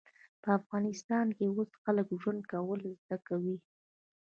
په افغانستان کې اوس خلک ژوند کول زده کوي